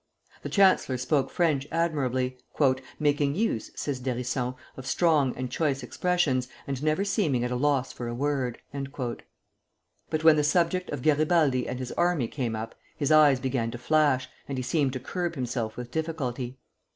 The chancellor spoke French admirably, "making use," says d'Hérisson "of strong and choice expressions, and never seeming at a loss for a word." But when the subject of Garibaldi and his army came up, his eyes began to flash, and he seemed to curb himself with difficulty.